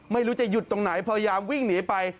ไม่รู้จะหยุดตรงไหนพยายามวิ่งหนีไป